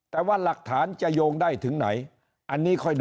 แต่ว่าหลักฐานจะโยงได้ถึงไหน